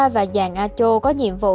và giang a chu có nhiệm vụ